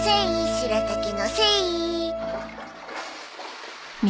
しらたきのせい。